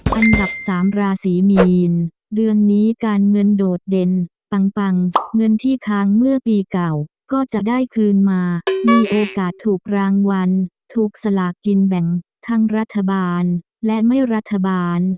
เป็นปังปังเงินที่ค้างเมื่อปีเก่าก็จะได้คืนมามีโอกาสถูกรางวัลถูกสลากินแบ่งทั้งรัฐบาลและไม่รัฐบาล